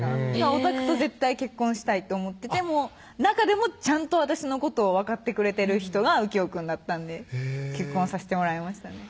オタクと絶対結婚したいと思ってて中でもちゃんと私のことを分かってくれてる人が有恭くんだったんで結婚させてもらいましたね